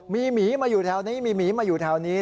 มีหมีมาอยู่แถวนี้มีหมีมาอยู่แถวนี้